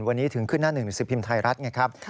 วันนี้ถึงขึ้นหน้าหนึ่งหนังสือพิมพ์ไทยรัฐไงครับ